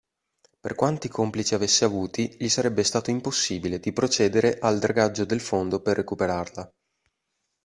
Per quanti complici avesse avuti, gli sarebbe stato impossibile di procedere al dragaggio del fondo per recuperarla.